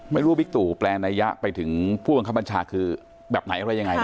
บิ๊กตู่แปลงนัยยะไปถึงผู้บังคับบัญชาคือแบบไหนอะไรยังไง